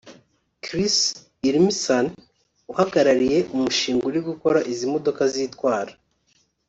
Chris Urmson uhagarariye umushinga uri gukora izi modoka zitwara